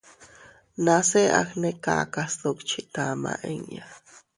Nase agnekaka sdukchi tama inña.